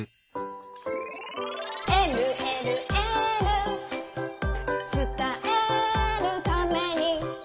「えるえるエール」「つたえるために」